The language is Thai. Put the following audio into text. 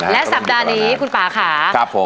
และสัปดาห์นี้คุณป่าค่ะ